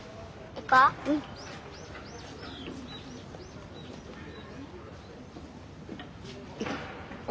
行こう。